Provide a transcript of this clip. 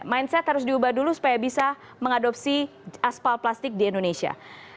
mindset harus diubah dulu supaya bisa mengadopsi aspal plastik di indonesia